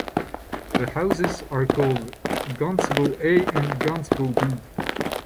The houses are called Gantesbo A and Gantesbo B.